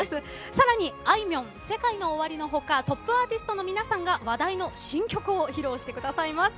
さらに、あいみょんＳＥＫＡＩＮＯＯＷＡＲＩの他トップアーティストの皆さんが話題の新曲を披露してくださいます。